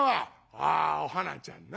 「ああお花ちゃんな。